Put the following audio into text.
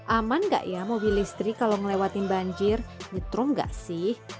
aman gak ya mobil listrik kalau ngelewatin banjir nyetrong gak sih